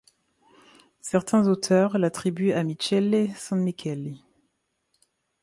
Certains auteurs l'attribuent à Michele Sanmicheli.